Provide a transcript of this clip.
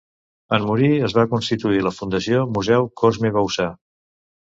En morir es va constituir la Fundació Museu Cosme Bauçà.